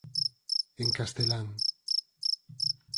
En castelán